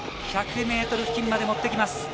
１００ｍ付近まで持ってきます。